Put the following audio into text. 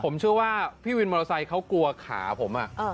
ผมเชื่อว่าพี่วินมอเตอร์ไซค์เขากลัวขาผม